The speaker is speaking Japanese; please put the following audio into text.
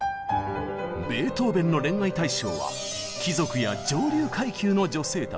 ベートーベンの恋愛対象は貴族や上流階級の女性たち。